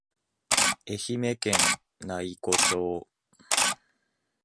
愛媛県内子町